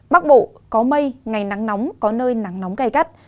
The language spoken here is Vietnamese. bắc bộ có mây ngày nắng nóng có nơi nắng nóng cay cắt